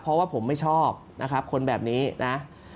เพราะว่าผมไม่ชอบนะครับคนแบบนี้นะ